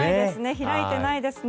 開いてないですね。